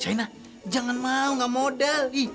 shayna jangan mau nggak modal